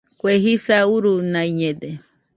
Kue jisa urunaiñede